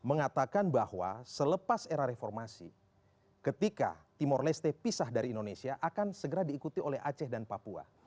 mengatakan bahwa selepas era reformasi ketika timor leste pisah dari indonesia akan segera diikuti oleh aceh dan papua